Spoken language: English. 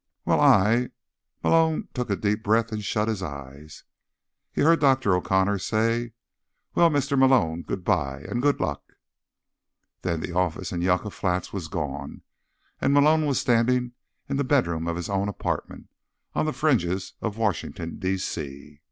"Well, I—" Malone took a deep breath and shut his eyes. He heard Dr. O'Connor say: "Well, Mr. Malone, goodbye. And good luck." Then the office in Yucca Flats was gone, and Malone was standing in the bedroom of his own apartment, on the fringes of Washington, D.